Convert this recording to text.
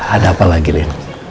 ada apa lagi linda